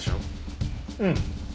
うん。